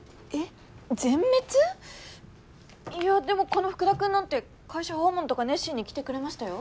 いやでもこの福田君なんて会社訪問とか熱心に来てくれましたよ。